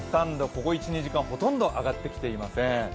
ここ１２時間、ほとんど上がってきていません。